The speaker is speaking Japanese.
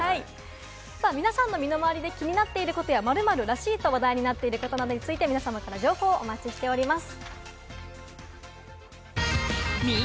皆さんの身の回りで気になってることや「○○らしい」と話題になっていることなどについて、皆様から情報をお待ちしています。